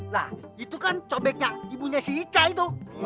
nah itu kan cobeknya ibunya si ica itu